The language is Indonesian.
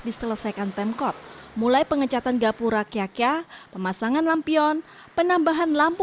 diselesaikan pemkot mulai pengecatan gapura kyakya pemasangan lampion penambahan lampu